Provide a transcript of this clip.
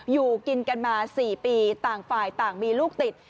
อยู่กินกันมา๔ปีต่างฝ่ายต่างมีลูกติด